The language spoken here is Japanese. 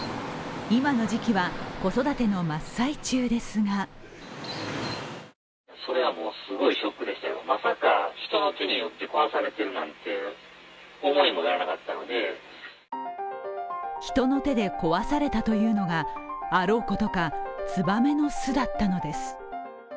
今の時期は、子育ての真っ最中ですが人の手で壊されたというのがあろうことか、つばめの巣だったのです。